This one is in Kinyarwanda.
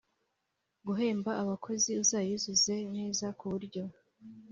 guhemba abakozi uzayuzuze neza kuburyo